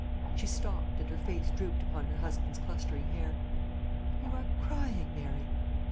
She stopped, and her face drooped upon her husband's clustering hair. "You are crying, Mary!"